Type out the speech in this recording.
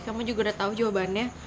kamu juga udah tahu jawabannya